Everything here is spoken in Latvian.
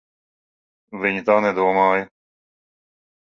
Viņa tā nedomāja.